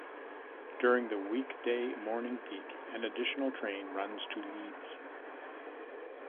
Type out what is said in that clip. During the weekday morning peak an additional train runs to Leeds.